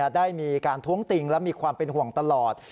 ได้มีการท้วงติงและมีความเป็นห่วงตลอด